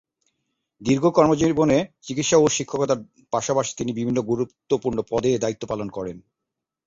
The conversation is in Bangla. দীর্ঘ কর্মজীবনে চিকিৎসা ও শিক্ষকতার পাশাপাশি তিনি বিভিন্ন গুরুত্বপূর্ণ পদে দায়িত্ব পালন করেন।